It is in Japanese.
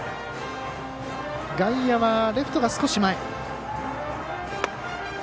外野はレフトが少し前。